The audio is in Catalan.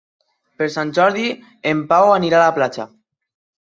Per Sant Jordi en Pau anirà a la platja.